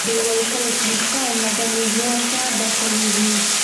دوی وايي کله چي انسان مدني ژوند ته داخليږي